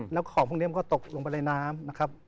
แล้วของพวกนี้มันก็ตกลงไปในน้ำนะครับ